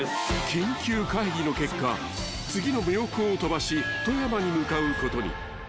［緊急会議の結果次の妙高を飛ばし富山に向かうことに］